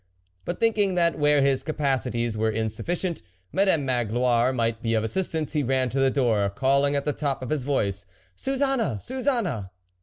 But thinking that where his capacities were insufficient, Madame Magloire might be of assistance, he ran to the door, call ing at the top of his voice :" Suzanne, Suzanne